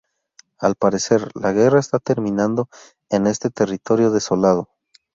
Al parecer, la guerra está terminando en este territorio desolado.